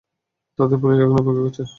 তাদের পুলিশ ডাকানোর অপেক্ষা করছো?